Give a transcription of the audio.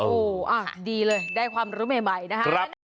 โอ้โหดีเลยได้ความรู้ใหม่นะฮะ